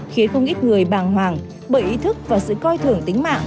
khiến không ít người bàng hoàng bởi ý thức và sự coi thường tính mạng